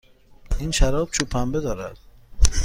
این شراب چوب پنبه دارد.